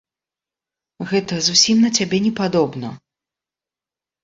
Гэта зусім на цябе не падобна.